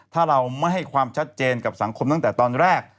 ถ้าเราไม่ให้ความชัดเจนกับสังคมตั้งแต่ตอนแรก